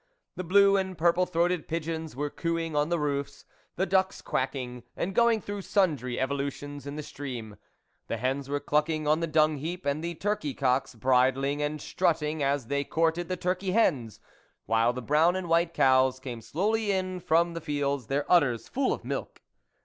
The blue and purple throated pigeons were cooing on the roofs, the ducks quacking, and going through sundry evo lutions in the stream, the hens were cluck ing on the dung heap, and the turkey cocks bridling and strutting as they courted the turkey hens, while the brown and white cows came slowly in from the fields, their udders full of milk.